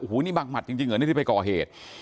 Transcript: โอ้โหนี่บังหมัดจริงเหรอนี่ที่ไปก่อเหตุ